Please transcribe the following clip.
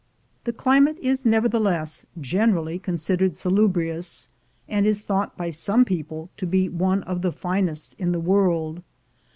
The climate is nevertheless generally considered salubrious, and is thought by some people to be one of the finest in the world.